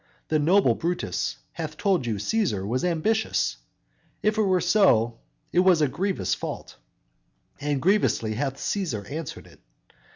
The noble Brutus Hath told you Cæsar was ambitious; If it were so it was a grievous fault; And grievously hath Cæsar answered it.